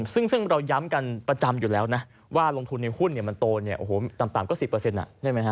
ซึ่งเราย้ำกันประจำอยู่แล้วนะว่าลงทุนในหุ้นมันโตต่ำก็๑๐ใช่ไหมฮะ